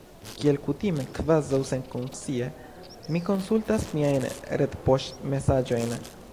Kiel kutime, kvazaŭ senkonscie, mi konsultas miajn retpoŝtmesaĝojn.